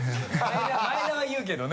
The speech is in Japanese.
前田は言うけどね。